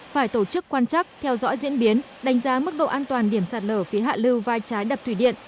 phải tổ chức quan chắc theo dõi diễn biến đánh giá mức độ an toàn điểm sạt lở phía hạ lưu vai trái đập thủy điện